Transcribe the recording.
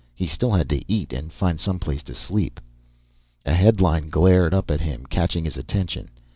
He still had to eat and find some place to sleep. A headline glared up at him, catching his attention.